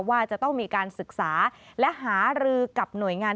ว่าจะต้องมีการศึกษาและหารือกับหน่วยงาน